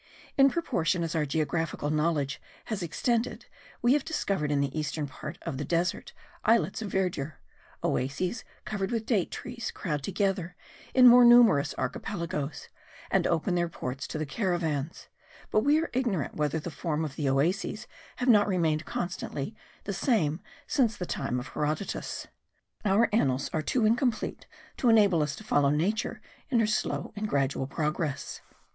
In proportion as our geographical knowledge has extended we have discovered in the eastern part of the desert islets of verdure; oases covered with date trees crowd together in more numerous archipelagos, and open their ports to the caravans; but we are ignorant whether the form of the oases have not remained constantly the same since the time of Herodotus. Our annals are too incomplete to enable us to follow Nature in her slow and gradual progress.